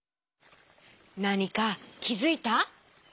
なにかきづいた？